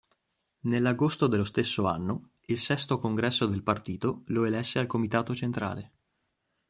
Nell'agosto dello stesso anno, il sesto congresso del partito lo elesse al Comitato centrale.